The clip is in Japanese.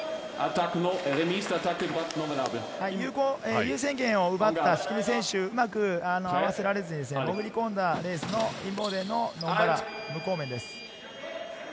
優先権を奪った敷根選手、うまく合わせられず、潜り込んだレースのインボーデンの無効面です。